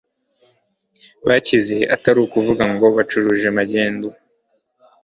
bacyize atari ukuvuga ngo bacuruje magendu